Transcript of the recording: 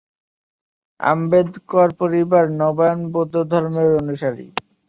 আম্বেদকর পরিবার নবায়ন বৌদ্ধ ধর্মের অনুসারী।